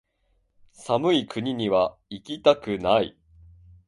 寒い国にはいきたくない